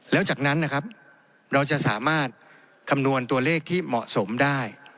แล้วจากนั้นนะครับเราจะสามารถคำนวณตัวเลขที่เหมาะสมได้